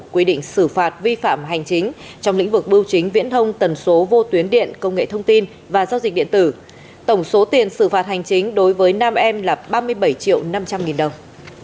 quy định xử phạt vi phạm hành chính trong lĩnh vực bưu chính viễn thông tần số vô tuyến điện công nghệ thông tin và giao dịch điện tử tổng số tiền xử phạt hành chính đối với nam em là ba mươi bảy triệu năm trăm linh nghìn đồng